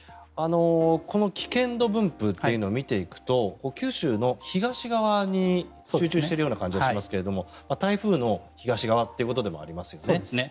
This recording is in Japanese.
この危険度分布というのを見ていくと九州の東側に集中しているような感じがしますが台風の東側ということでもありますよね。